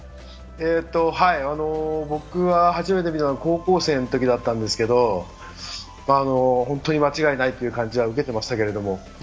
僕は初めて見たのは高校生のときだったんですけど、本当に間違いないという感じは受けていましたけれども。